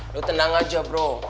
lo tenang aja bro